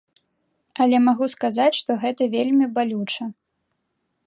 Але магу сказаць, што гэта вельмі балюча.